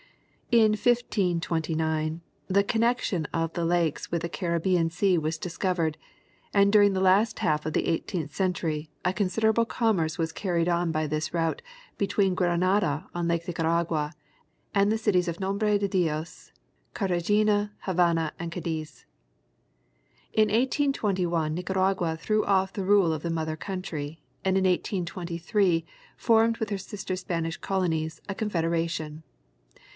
316 National GeograjpMc Magazine. In 1529 the connection of the lakes with the Caribbean sea was discovered, and during the last half of the eighteenth cen tury a considerable commerce was carried on by this route between Granada on Lake Nicaragua and the cities of Nombre de Dios, Cartagena, Havana and Cadiz. In 1821 Nicaragua threw off the rule of the mother country and in 1823 formed with her sister Spanish colonies, a confedera tion.